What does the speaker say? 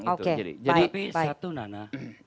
oke baik baik tapi satu nana